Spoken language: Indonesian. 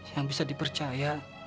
yang bisa dipercaya